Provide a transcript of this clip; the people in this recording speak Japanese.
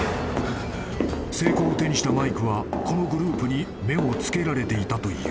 ［成功を手にしたマイクはこのグループに目を付けられていたという］